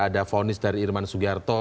ada vonis dari irman sugarto